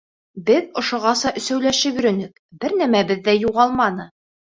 Беҙ ошоғаса өсәүләшеп йөрөнөк, бер нәмәбеҙ ҙә юғалманы.